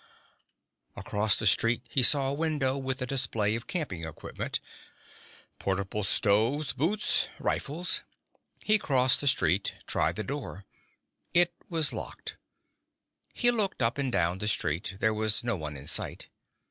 Across the street he saw a window with a display of camping equipment, portable stoves, boots, rifles. He crossed the street, tried the door. It was locked. He looked up and down the street. There was no one in sight.